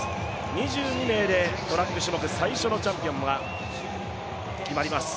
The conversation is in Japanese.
２２名でトラック種目最初のチャンピオンが決まります。